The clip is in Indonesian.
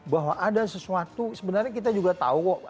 bahwa ada sesuatu sebenarnya kita juga tahu kok